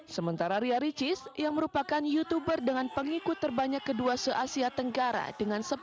sementara ria ricis yang merupakan youtuber dengan pengikut terbanyak kedua se asia tenggara dengan sepuluh